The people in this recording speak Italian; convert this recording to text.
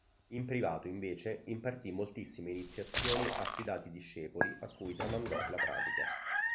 In privato, invece, impartì moltissime iniziazioni a fidati discepoli a cui tramandò la pratica.